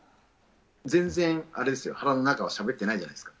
全然、あれですよ、腹の中をしゃべってないじゃないですか。